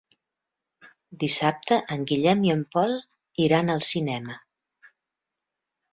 Dissabte en Guillem i en Pol iran al cinema.